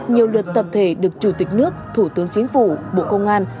nhiều luật tập thể được chủ tịch nước thủ tướng chính phủ bộ công an